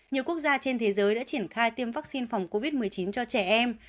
nhiều quốc gia trên thế giới đã triển khai tiêm vaccine phòng covid một mươi chín cho trẻ em